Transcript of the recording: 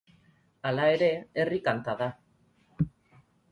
Hala ere, herri kanta da.